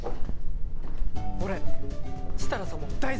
俺設楽さんも大好きです！